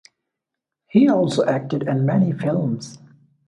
He also acted in many films.